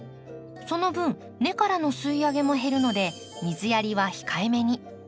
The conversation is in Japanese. その分根からの吸い上げも減るので水やりは控えめに。